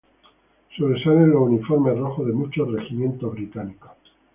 Sobresalen los uniformes rojos de muchos regimientos británicos.